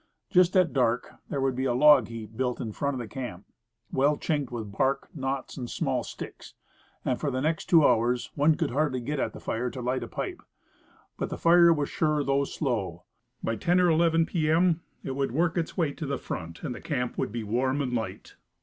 Just at dark, there would be a log heap built in front of the camp, well chinked with bark, knots and small sticks; and, for the next two hours, one could hardly get at the fire to light a pipe. But, the fire was sure though slow. By 10 or 11 P. M. it would work its way to the front, and the camp would be warm and light.